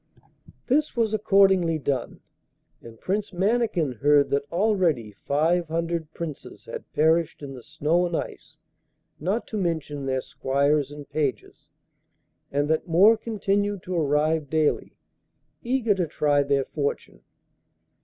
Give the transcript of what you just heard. This was accordingly done, and Prince Mannikin heard that already five hundred Princes had perished in the snow and ice, not to mention their squires and pages, and that more continued to arrive daily, eager to try their fortune.